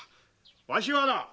わしはな